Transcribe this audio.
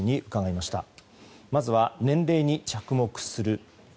まずは、年齢に着目する。